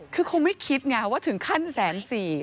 คือคงไม่คิดไงว่าถึงขั้นแสนสี่